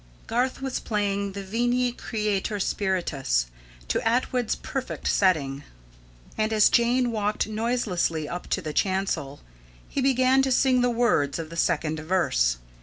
Garth was playing the "Veni, Creator Spiritus" to Attwood's perfect setting; and, as Jane walked noiselessly up to the chancel, he began to sing the words of the second verse.